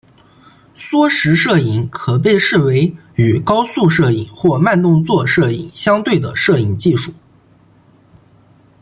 缩时摄影可被视为与高速摄影或慢动作摄影相对的摄影技术。